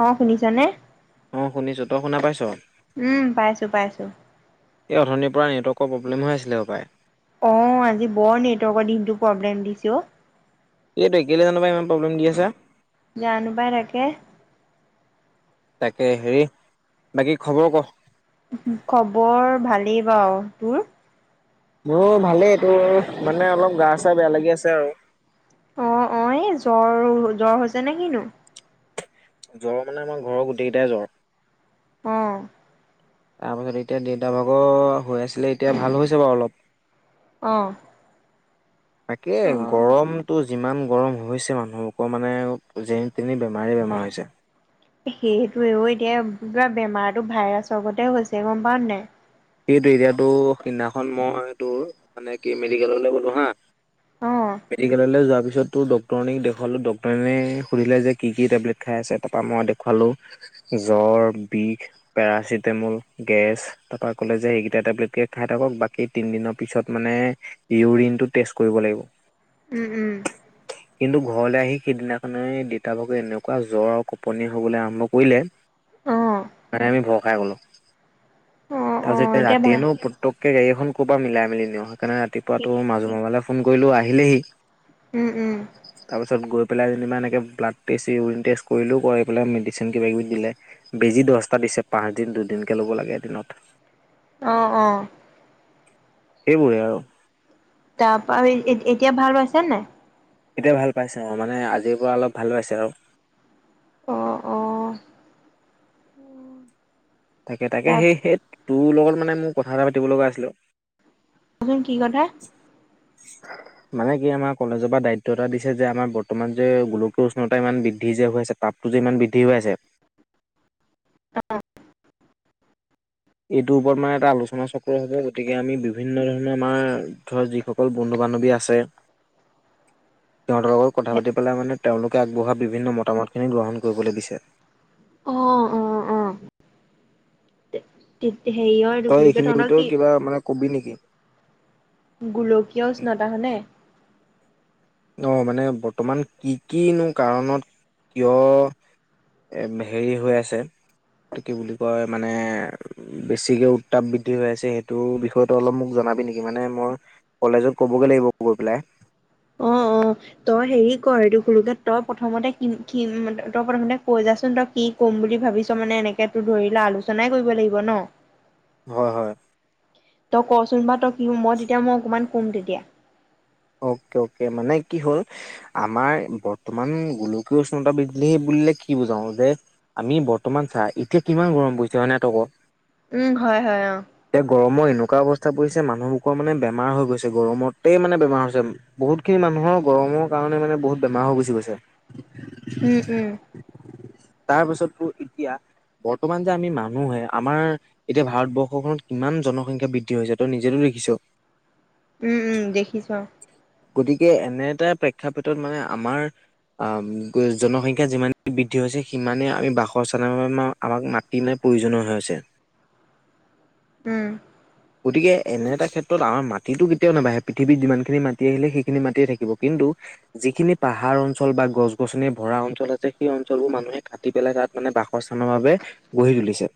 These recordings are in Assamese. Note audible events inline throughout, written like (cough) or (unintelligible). অ শুনিছ নে? অ শুনিছো তই শুনা পাইছ উম পাইছো পাইছো এই অথনিৰ পৰা নেটৱৰ্কৰ প্ৰব্লেম হৈ আছিলে সপায়। অ আজি বৰ নেটৱৰ্কৰ দিনটো প্ৰব্লেম দিছে অ সেইটোয়ে কেলে জানোপাই ইমান প্ৰব্লেম দি আছে জানোপাইতাকে তাকে হেৰি বাকী খবৰ ক খবৰ ভালেই বাৰু তোৰ মোৰ ভালেই এইটো মানে অলপ গা চা বেয়া লাগি আছে আৰু অ অ এই জ্বৰ জ্বৰ হৈছে নে কিনো জ্বৰ মানে আমাৰ ঘৰৰ গোটেইকেইটাই জ্বৰ অ তাৰপাছত এতিয়া দেতাভাগৰ হৈ আছিলে এতিয়া ভাল হৈছে বাৰু অলপ অঁ তাকে গৰমতটো যিমান গৰম হৈছে মানুহোকৰ মানে যেনি তেনি বেমাৰেই বেমাৰ হৈছে সেইটোৱেও এতিয়া কিবা বেমাৰতো ভাইৰাছৰগতে হৈছে গম পাও নে নাই। সেইটো এতিয়াটো সেইদিনাখন মই তোৰ মানে কি মেডিকেল'লে গ'লো হা অ (inaudible) মেডিকেললৈ যোৱাৰ পিছতো ডক্টৰনীক দেখুৱালোঁ ডক্টৰণীয়ে সুধিলে যে কি কি টেবলেট খাই আছে তাৰপৰা মই দেখুৱালো জ্বৰ, বিষ, পেৰাচিটামল, গেছ তাৰপৰা লে যে সেইকেইটা টেবলেটকে খাই থাকক বাকী তিন দিনৰ পিছত মানে ইউৰিনতো তেচ কৰিব লাগ উম উম কিন্তু ঘৰলৈ আহি সিদিনাখনে দেতা ভাগৰ এনেকুৱা জ্বৰ আৰু কপনি হবলে আৰম্ভ কৰিলে অ তাতে আমি ভয় খাই গলো অ অ তাৰপিছত এতিয়া ভাল ৰাতিয়েনো প্ৰতোকে গাড়ীখন কৰপা মিলাই মিলি নিওঁ সেইকাৰণে ৰাতিপুৱাটো মাজু মোমায়লে। ফোন কৰিলোঁ আহিলেই উম উম তাৰপাছত গৈ পেলাই যেনিবা এনেকৈ ব্লাট টেষ্ট, ইউৰিন টেষ্ট কৰিলো কৰি পেলাই মেডিচিন কিবা কিবি দিলে বেজি। দহটা দিছে পাঁচ দিন দুদিনকে ল'ব লাগে এ দিনত অ অ সেইবোৰে আৰু তাৰপা এতিয়া ভাল পাইছা নাই। এতিয়া ভাল পাইছে অ মানে আজিৰ পৰা অলপ ভাল পাইছে আৰু। অ অ (inaudible) তাকে তাকে সেই তাৰচোন সেই তোৰ লগত মানে মোৰ কথা এটা পাতিব লগা আছিলে অ কচোন কি কথা মানে কি আমাৰ কলেজৰ পৰা দায়িত্ব এটা দিছে যে আমাৰ বৰ্তমান যে গোলকীয় উষ্ণতা ইমান বৃদ্ধি। যে হৈ আছে তাপটো যে ইমান বৃদ্ধি হৈ আছে। এইটোৰ ওপৰত মানে এটা আলোচনা চক্ৰ হ'ব গতিকে আমি বিভিন্ন ধৰণে আমাৰ ধৰা যিসকল বন্ধু বান্ধৱ। বানৱী আছে। সিঁহতৰ লগত কথা পাতি পেলাই মানে তেওঁলোকে আগবঢ়োৱা বিভিন্ন মতামতখিনি গ্ৰহণ কৰিবলৈ দিছে। অ অ (inaudible) হেৰিয়ৰ এইটো তই বুলি কয় এইখিনিৰ তহঁতৰ কি ভিতৰত কিবা মানে কবি নেকি। গোলকীয় উষ্ণতাহনে। অ মানে বৰ্তমান কি কিনো কাৰণত কিয়। এ হেৰি হৈ আছে। কি বুলি কয় মানে বেছিকে উত্তাপ বৃদ্ধি হৈ আছে সেইটোৰ বিষয়ে তই অলপ মোক জ। নাবি নেকি মানে মই কলেজত ক'বগৈ লাগিব গৈ পেলাই। অ অ তই হেৰি কৰ তই প্ৰথমতে কিম তই প্ৰথমতে কৈ যাচোন তই কি ক'ম বুলি ভাবিছ মানে এনেকে তোৰ ধৰি ল আলোচনাই কৰিব লাগিব ন। হয় হয়। তই কচোন বাও তই কি মই তেতিয়া মই অকমান কম তেতিয়া। অকে অকে মানে কি হ'ল আমাৰ বৰ্তমান গোলকীয় উষ্ণতা বিদলী বুলি। বুলিলে কি বুজাও যে আমি বৰ্তমান চা এতিয়া কিমান গৰম পৰিছে হয় নাই তই ক। উম হয় হয় অ এ গৰমৰ এনেকুৱা অৱস্থা। পৰিছে মানুহবোৰৰ মানে বেমাৰ গৈছে গৰমতেই মানে বেমাৰ। বহুত খিনি মানুহৰ গৰমৰ কাৰণে মানে বহুত বেমাৰ হৈ গুচি গৈছে। উম উম। তাৰ পিছতো এতিয়া বৰ্তমান যে আমি মানুহে আমাৰ এতিয়া ভাৰতবৰ্ষখনত কিমান জনসংখ্যা বৃদ্ধি হৈছে ত নিজে। দেখিছো উম উম দেখিছো। গতিকে এনে এটা প্ৰেক্ষাপথত মানে আমাৰ অ জনসংখ্যা যিমানেই বৃদ্ধি হৈছে সিমানেই আমি বাসৰ চালৰ আমাক মাতি ন প্ৰয়োজনীয় হৈছে উম গতিকে এনে এটা ক্ষেত্ৰত আমাৰ মাটিতটো কেতিয়াও নাবাঢ়ে পৃথিৱত যিমানখিনি মাটি আহিলে সেইখিনি মাটিয়ে থাকিব কিন্তু। যিখিনি পাহাৰ অঞ্চল বা গছ গছনি ভৰা অঞ্চল আছে সেই অঞ্চলবোৰ মানুহে কাটি পেলাই তাত মানে। বাসস্থানৰ বাবে গঢ়ি তুলিছে।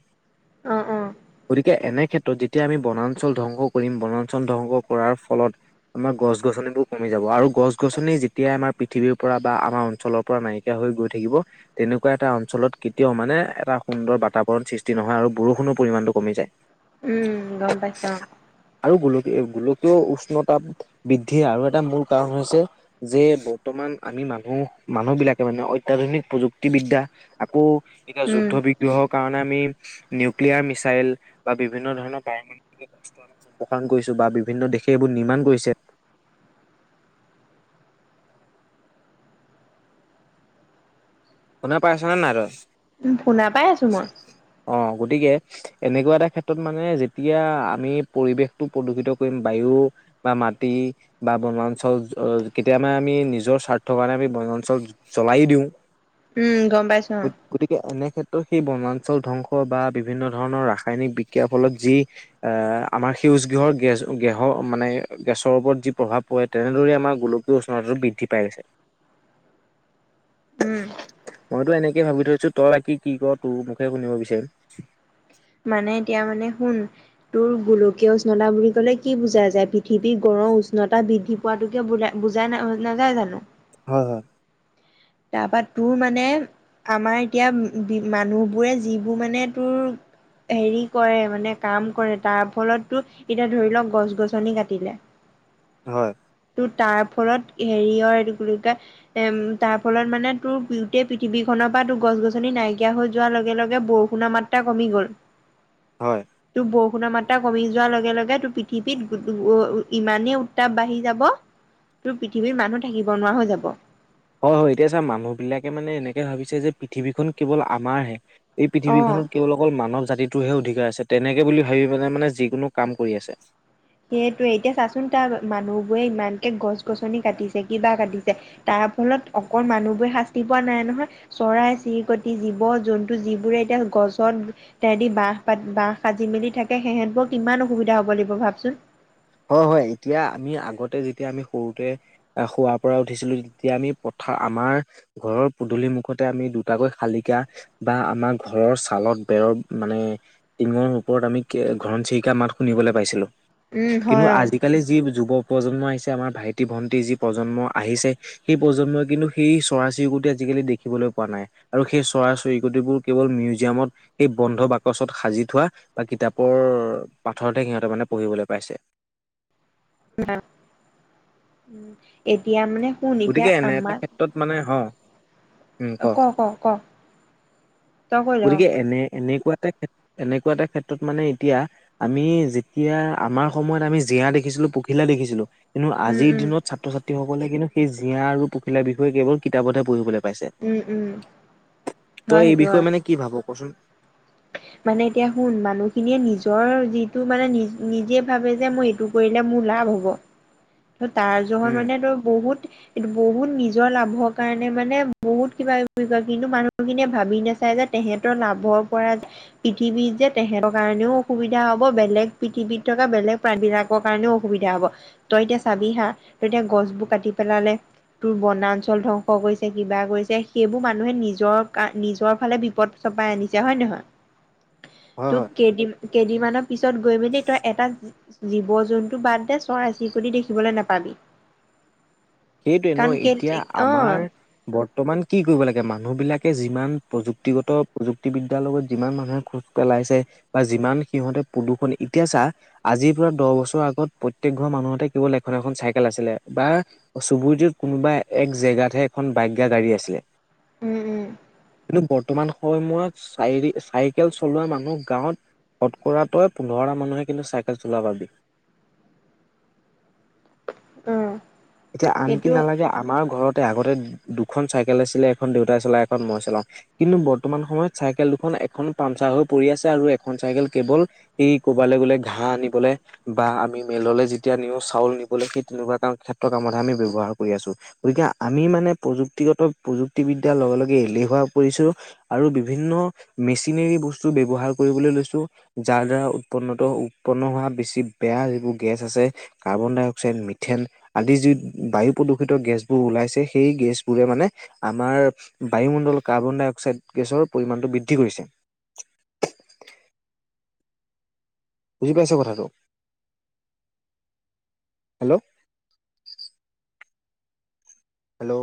অ অ। গতিকে এনে ক্ষেত্ৰত যেতিয়া আমি বনাঞ্চল ধ্বংস কৰিম বনাঞ্চল ধ্বংস কৰাৰ ফলত। আমাৰ গছ গছনিবোৰ কমি যাব আৰু গছ গছনি যেতিয়াই আমাৰ পৃথিৱীৰ পৰা বা আমাৰ অঞ্চলৰ পৰা নাইকিয়া হৈ। গৈ থাকিব তেনেকুৱা এটা অঞ্চলত কেতিয়াও মানে এটা সুন্দৰ বাতাবৰণ সৃষ্টি নহয় আৰু বৰষুণৰ পৰিমাণ। কমি যায়। উম গম পাইছো অ। আৰু গোল গোলকীয় উষ্ণতা বৃদ্ধিৰ আৰু এটা মূল কাৰণ হৈছে যে বৰ্তমান। আমি মানুহ মানুহ বিলাকে মানে অত্যাধুনিক প্ৰযুক্তিবিদ্যা আকৌ। এতিয়া উম যুদ্ধ বিগ্ৰহৰ কাৰণে আমি নিউক্লিয়াৰ মিচিন। বা বিভিন্ন ধৰণৰ পাৰম আমি কৰিছো বা বিভিন্ন দেশে এইবোৰ নিৰ্মাণ কৰিছে (inaudible) শুনা পাইছনে নাই তই‌‌? উ শুনা পাই আছো মই অ গতিকে এনেকুৱা এটা ক্ষেত্ৰত মানে যেতিয়া আমি পৰিৱেশটো প্ৰদূষিত কৰিম বায়ু বা মাটি বা বনাঞ্চল কেতিয়া আমি নিজৰ স্বাৰ্থ কাৰণে আমি বন চল জ্বলাই দিওঁ উম গম পাইছো গতিকে এনে ক্ষেত্ৰত সেই বনাঞ্চল ধ্বংস বা বিভিন্ন ধৰণৰ ৰাসায়নিক বিক্ৰিয়া ফলত যি আমাৰ গৃহৰ গেছ গেহৰ মানে গেছৰ ওপৰত যি প্ৰভাৱ পৰে তেনেদৰেই আমাৰ গোলকীয় উষ্ণতাটো বৃদ্ধি পাই আছে। (inaudible) উম মইতো এনেকে ভাবি থৈছো তই কি কি কি কৰ তোৰ মুখেৰে শুনিব বিচাৰিম মানে এতিয়া মানে শুন তোৰ গোলকীয় উষ্ণতা বুলি ক'লে কি বুজা যায় পৃথিৱীৰ গৰম উষ্ণতা বৃদ্ধি পোৱাতোকে বুজ বুজাই না নাযায় জানো। হয় হয়। তাৰপা তোৰ মানে আমাৰ এতিয়া মানুহবোৰে যিবোৰ মানে তোৰ। হেৰি কৰে মানে কাম কৰে তাৰ ফলতো এতিয়া ধৰি লওক গছ গছনি কাটিলে। হয়। তোৰ তাৰ ফলত হেৰি হয় এম তাৰ। ফলত মানে তোৰ গোটেই পৃথিৱীখনৰ পৰা তোৰ গছ গছনি নাইকিয়া হৈ যোৱাৰ লগে লগে বৰষুণৰ মাত্ৰা কমি। গল হয় টো বৌ। বষুণৰ মাত্ৰা কমি যোৱাৰ লগে লগে তোৰ পৃথিৱীত ইমানেই উত্তাপ বাঢ়ি যাব। তোৰ পৃথিৱীৰ মানুহ থাকিব নোৱাৰা হৈ যাব। হয় হয় এতিয়া ছাৰ মানুহ বিলাকে মানে এনেকে ভাবিছে যে পৃথিৱীখন কেৱল আমাৰ হে এই অ পৃথিৱীখন। কেৱল অকল মানৱ জাতিটোৰহে অধিকাৰ আছে তেনেকে বুলি ভাবি পেলনে মানে যিকোনো কাম কৰি আছে। সেইটোৱে এতিয়া চাচোন তাৰ মানুহ বোৰে ইমানকে গছ গছনি কাটিছে কিবা কাটিছে তাৰ। তাৰ ফলত অকল মানুহবোৰে শাস্তি পোৱা নাই নহয় চৰাই চিৰিকটি জীৱ জন্তু যিবোৰে এতিয়া। গছত তেহেঁতি বাঁহ পটি বাঁহ সাজি মেলি থাকে সিহেঁতবোৰ কিমান অসুবিধা হ'ব লাগিব ভাবচোন। হয় হয় এতিয়া আমি আগতে যেতিয়া আমি সৰুতেশুৱা পৰা উঠিছিলো তেতিয়া আমি প্ৰ। তথা আমাৰ ঘৰৰ পদূলি মুখতে আমি দুটাকৈ শালিকা বা আমাৰ ঘৰৰ ছালত। বেৰৰ মানে টিঙৰ ওপৰত আমি ঘৰণচিৰিকা মাত শুনিবলৈ পাইছিলো। উম কিন্তু হয় অ আজিকালি যি যুবক প্ৰজন্ম আহিছে আমাৰ ভাইটি ভন্টিৰ যি প্ৰজন্ম আহিছে সেই প্ৰজন্মই কিন্তু সেই চৰাই চিৰিকটি যি। সেই খিনি দেখিবলৈ পোৱা নাই আৰু সেই চৰাই চৰিকটিবোৰ কেৱল মিউজিয়ামত সেই বন্ধ বাকচত সাজি। ঠোৱা বা কিতাপৰ পাথৰহে সিহঁত মানে পঢ়িবলৈ পাইছে। ন এতিয়া মানে। শুন এতিয়া গতিকে এনে এটা আমাৰ ক্ষেত্ৰত মানে হ। উম ক তই কৈ ল গতিকে এনে এনে। এনেকুৱা এটা ক্ষেত্ৰত মানে এতিয়া আমি যেতিয়া আমাৰ সময়ত আমি জীয়া দেখিবলৈ। দেখিছিলো পখিলা দেখিছিলো। কিন্তু উম আজিৰ উম দিনত ছাত্ৰ ছাত্ৰীসকলে কিন্তু সেই জীয়া আৰু পখিলাৰ বিষয়ে কেৱল কিতাপতহে পঢ়িব লাগিবে। উম উম হয় তই এই সেইটো হয় বিষয়ে মানে কি ভাব কচোন। মানে এতিয়া শুন মানুহখিনিয়ে নিজৰ যিটো মানে নি নিজে ভাবে যে মই এইটো কৰি। মোৰ লাভ হ'ব। ত তাৰ যহত উম মানে তই বহুত। এইটো বহুত নিজৰ লাভৰ কাৰণে মানে বহুত কিবা কিবি কৰিব পাৰা কিন্তু মানুহখিনিয়ে ভাবি নাচায় যে। তেহেতৰ লাভৰ পৰা পৃথিৱীত যে তেহেতৰ কাৰণেও অসুবিধা হব বেলেগ পৃথিৱীত। বেলেগ প্ৰাণ বিলাকৰ কাৰণেও অসুবিধা হব। তই এতিয়া চাবি হা তই এতিয়া গছবোৰ কাটি পেলালে। তোৰ বনাঞ্চল ধ্বংস কৰিছে কিবা কৰিছে সেইবোৰ মানুহে নিজৰ নিজৰ ফালে বিপদ। পাই আনিছে হয় নহয়। (unintelligible) হয় হয় তোক কেই দিম। কেইদিনমানৰ পিছত গৈ মেলি তই এটা জীৱ জন্তু বাদ দে চৰাই আছ। (unintelligible) দেখিবলৈ নাপাবি। সেইটোৱে ন কাৰণ কে এতিয়া অ আমাৰ বৰ্তমান কি কৰিব লাগে মানুহ বিলাক। যিমান প্ৰযুক্তিগত প্ৰযুক্তিবিদ্যাৰ লগত যিমান মানুহে খোজ পেলাইছে বা যিমান সিহঁতে প্ৰদূষণ এতিয়া চা আজিৰ পৰা দহ বছৰ আগত প্ৰত্যেক ঘৰৰ মানুহতে কেৱল এখন এখন চাইকেল আছিলে। বা চুবুৰী টোত কোনোবা এক জেগাতহে এখন বাইক বা গাড়ী আছিলে। উম উম কিন্তু বৰ্তমান। (unintelligible) চাই চাইকেল চলোৱা মানুহ গাঁৱত। কটকৰা তই পোন্ধৰটা মানুহে কিন্তু চাইকেল চলা পাবি। (unintelligible) উম। এতিয়া আনকি নালাগে আমাৰ ঘৰত আগতে দুখন চাইকেল আছিলে, এখন দেউতাই চলাওঁ, এখন মই চলাওঁ। কিন্তু বৰ্তমান সময়ত চাইকেল দুখন এখন পামচাৰ হৈ পৰি আছে আৰু এখন চাইকেল কেৱল সেই কৰবালৈ গ'লে ঘাঁহ আনিবলে বা আমি মেললে যেতিয়া নিওঁ চাউল নিবলে সেই তেনেকুৱা (unintelligible) কাম আমি ব্যৱহাৰ কৰি আছো। গতিকে আমি মানে প্ৰযুক্তিগত প্ৰযুক্তিবিদ্যাৰ লগে লগে এলেহুৱা আৰু বিভিন্ন মেচিনেৰি বস্তু ব্যৱহাৰ কৰিবলৈ লৈছো যাৰ দ্বাৰা উৎপন্নত উৎপন্ন হোৱা বেছি বেয়া যিবোৰ গেছ আছে কাৰ্বন ডাই অক্সাইড, মিথেন আদি যি বায়ু প্ৰদূষিত গেছবোৰ ওলাইছে সেই গেছবোৰে মানে আমাৰ বায়ুমণ্ডল কাৰ্বন ডাই অক্সাইড গেছৰ পৰিমাণটো বৃদ্ধি কৰিছে। বুজি পাইছ কথাটো? Hello, hello,